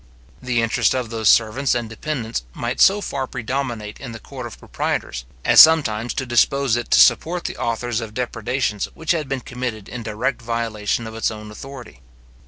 The interest of those servants and dependants might so far predominate in the court of proprietors, as sometimes to dispose it to support the authors of depredations which had been committed in direct violation of its own authority.